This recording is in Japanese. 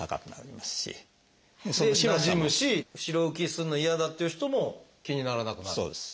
でなじむし白浮きするの嫌だっていう人も気にならなくなる？